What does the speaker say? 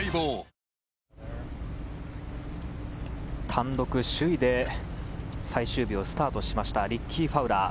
単独首位で最終日をスタートしましたリッキー・ファウラー。